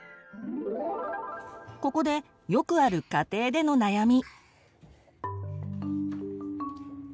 ここでよくある家庭での悩み。